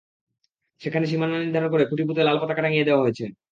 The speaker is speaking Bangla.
সেখানে সীমানা নির্ধারণ করে খুঁটি পুঁতে লাল পতাকা টাঙিয়ে দেওয়া হয়েছে।